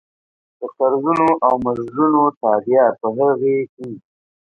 د قرضونو او مزدونو تادیه په هغې کېږي.